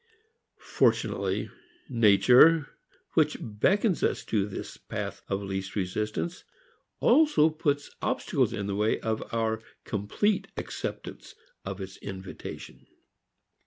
Fortunately nature which beckons us to this path of least resistance also puts obstacles in the way of our complete acceptance of its invitation.